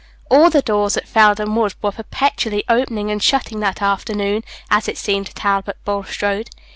All the doors at Felden Woods were perpetually opening and shutting that afternoon, as it seemed to Talbot Bulstrode.